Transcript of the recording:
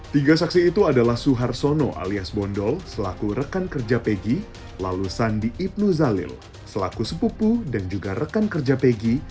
tiga saksi itu adalah suharsono alias bondol selaku rekan kerja peggy lalu sandi ibnu zalil selaku sepupu dan juga rekan kerja peggy